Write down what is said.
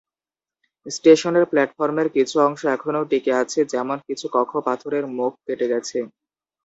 স্টেশনের প্ল্যাটফর্মের কিছু অংশ এখনও টিকে আছে, যেমন কিছু কক্ষ পাথরের মুখ কেটে গেছে।